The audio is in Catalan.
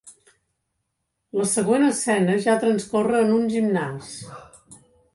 La següent escena ja transcorre en un gimnàs.